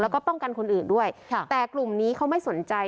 แล้วก็ป้องกันคนอื่นด้วยแต่กลุ่มนี้เขาไม่สนใจ